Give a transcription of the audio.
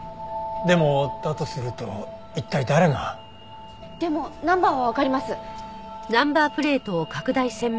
でもだとすると一体誰が？でもナンバーはわかります。